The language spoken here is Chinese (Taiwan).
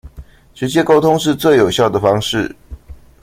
直接溝通是最有效的方式